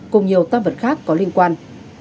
cùng nhiều tam vật khác có liên quan